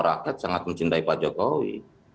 rakyat sangat mencintai pak jokowi